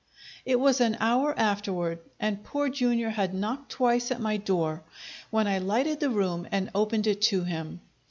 It was an hour afterward, and Poor Jr. had knocked twice at my door, when I lighted the room and opened it to him.